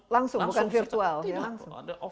langsung bukan virtual